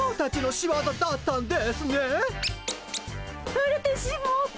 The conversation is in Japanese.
バレてしもうた。